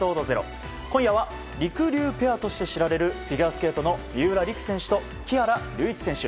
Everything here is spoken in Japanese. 今夜はりくりゅうペアとして知られるフィギュアスケートの三浦璃来選手と木原龍一選手。